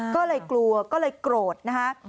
ก็เลยกลัวก็เลยโกรธนะคะ